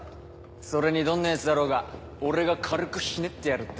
それにどんな奴だろうが俺が軽くひねってやるって。